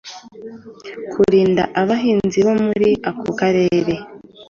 kurinda abahinzi bo muri ako karere.